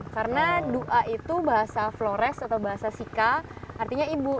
karena dua itu bahasa flores atau bahasa sika artinya ibu